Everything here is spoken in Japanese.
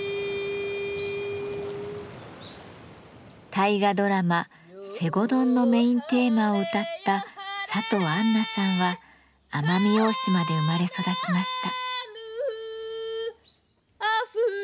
大河ドラマ「西郷どん」のメインテーマを歌った里アンナさんは奄美大島で生まれ育ちました。